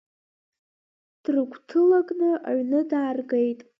Дрыгәҭылакны аҩны дааргеит.